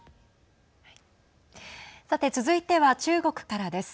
さて、続いては中国からです。